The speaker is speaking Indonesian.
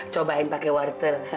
cobain pakai wortel